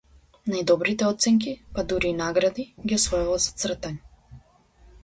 Најдобрите оценки, па дури и награди, ги освојувал за цртање.